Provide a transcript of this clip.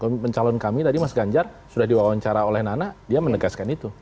mencalon kami tadi mas ganjar sudah diwawancara oleh nana dia menegaskan itu